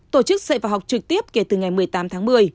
tổ chức dậy vào học trực tiếp kể từ ngày một mươi tám tháng một mươi